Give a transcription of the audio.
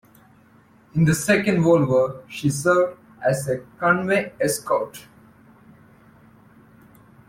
In the Second World War she served as a convoy escort.